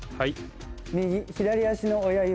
左足の親指。